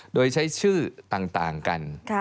โดยใช้ชื่อต่างกัน